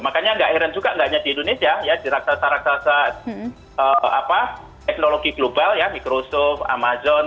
makanya nggak heran juga nggak hanya di indonesia ya di raksasa raksasa teknologi global ya microsoft amazon